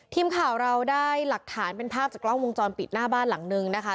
ทีมข่าวเราได้หลักฐานเป็นภาพจากกล้องวงจรปิดหน้าบ้านหลังนึงนะคะ